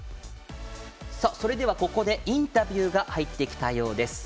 それでは、ここでインタビューが入ってきたようです。